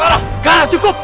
gara gara cukup